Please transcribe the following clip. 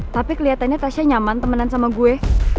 tapi kelihatannya tasya nyaman temenan sama gue